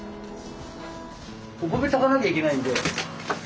お米炊かなきゃいけないんで。